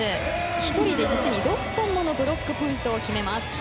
１人で実に６本ものブロックポイントを決めます。